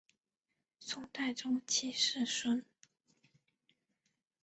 宋太宗七世孙。